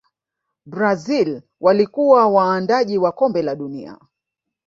brazil walikuwa waandaaji wa kombe la dunia